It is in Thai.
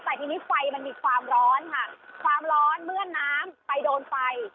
แต่ทีนี้ไฟมันมีความร้อนค่ะความร้อนเมื่อน้ำไปโดนไฟ